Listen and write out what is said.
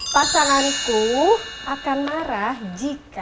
pasanganku akan marah jika